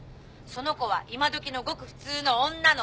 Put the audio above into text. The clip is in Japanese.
その子は今どきのごく普通の女の子！